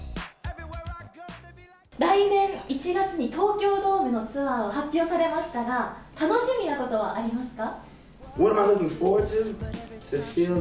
来年１月に東京ドームのツアーを発表されましたが、楽しみなことはありますか？